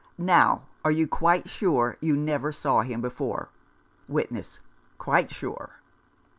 Now, are you quite sure you never saw him before ?" Witness :" Quite sure."